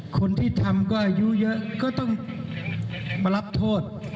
คนที่ทำก็อายุเยอะก็ต้องมารับโทษ